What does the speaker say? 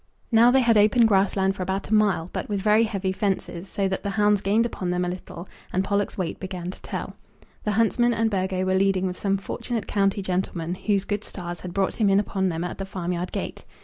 Now they had open grass land for about a mile, but with very heavy fences, so that the hounds gained upon them a little, and Pollock's weight began to tell. The huntsman and Burgo were leading with some fortunate county gentleman whose good stars had brought him in upon them at the farmyard gate.